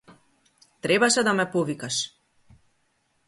Требаше да ме повикаш.